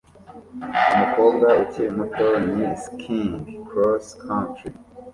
Umukobwa ukiri muto ni skiing crosscountry